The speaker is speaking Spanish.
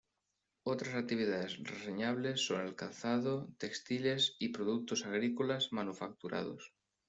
Otras actividades reseñables son el calzado, textiles y productos agrícolas manufacturados.